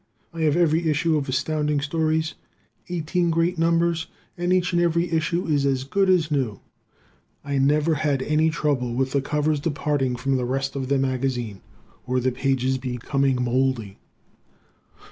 I have every issue of Astounding Stories (eighteen great numbers!) and each and every issue is as good as new. I have never had any trouble with the covers departing from the rest of the magazine or the pages becoming moldy.